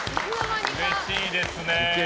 うれしいですね。